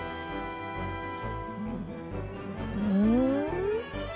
うん？